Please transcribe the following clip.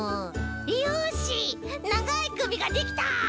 よしながいくびができた！